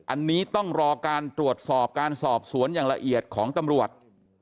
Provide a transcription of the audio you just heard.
อันนี้ต้องรอการตรวจสอบการสอบสวนอย่างละเอียดของตำรวจ